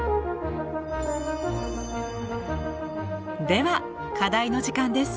では課題の時間です。